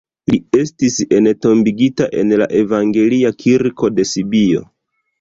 Li estis entombigita en la evangelia kirko de Sibio.